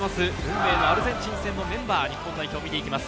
運命のアルゼンチン戦のメンバー日本代表を見ていきます。